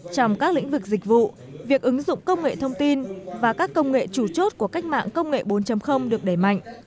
trong các lĩnh vực dịch vụ việc ứng dụng công nghệ thông tin và các công nghệ chủ chốt của cách mạng công nghệ bốn được đẩy mạnh